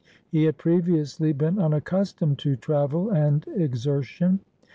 He had previously been unaccustomed to travel and exertion.